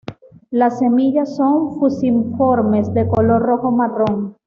Las semillas son fusiformes de color rojo-marrón.